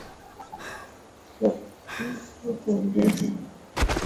mu jamuri ya ki democracia ya congo akuna uchaguzi ya banaume ao banamuke